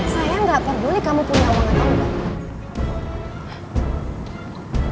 saya gak peduli kamu punya uang atau enggak